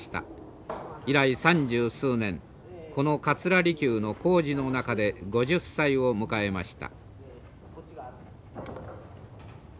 以来三十数年この桂離宮の工事の中で５０歳を迎えました。